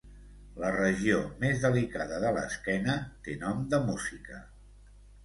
La regió més delicada de l'esquena té nom de música.